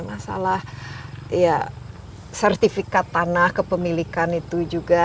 masalah sertifikat tanah kepemilikan itu juga